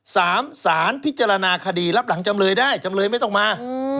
สารพิจารณาคดีรับหลังจำเลยได้จำเลยไม่ต้องมา